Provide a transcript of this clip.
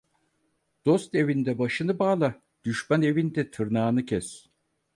Dost evinde başını bağla, düşman evinde tırnağını kes.